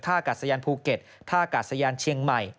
กัดศยานภูเก็ตท่ากาศยานเชียงใหม่